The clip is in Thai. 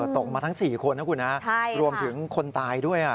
ตกมาทั้ง๔คนนะคุณนะรวมถึงคนตายด้วย